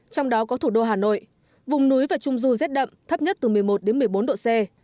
trong đó có thủ đô hà nội vùng núi và trung du rét đậm thấp nhất từ một mươi một đến một mươi bốn độ c